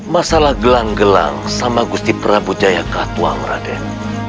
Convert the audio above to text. masalah gelang gelang sama gusti prabu jaya katuang ratin